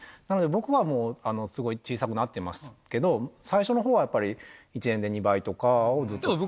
なので僕はもうすごい小さくなってますけど、最初のほうは１年で２倍とかをずっと。